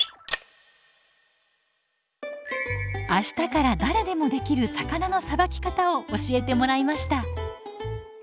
明日から誰でもできる魚のさばき方を教えてもらいました。